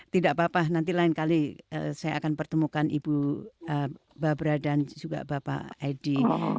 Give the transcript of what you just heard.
tidak apa apa nanti lain kali saya akan pertemukan ibu babra dan juga bapak edi